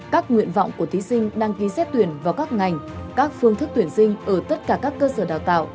các nguyện vọng của thí sinh đăng ký xét tuyển vào các ngành các phương thức tuyển sinh ở tất cả các cơ sở đào tạo